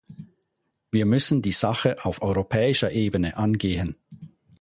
Wir müssen die Sache auf europäischer Ebene angehen.